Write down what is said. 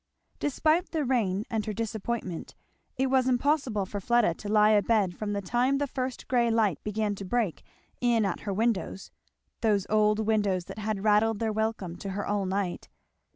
Despite the rain and her disappointment it was impossible for Fleda to lie abed from the time the first grey light began to break in at her windows, those old windows that had rattled their welcome to her all night.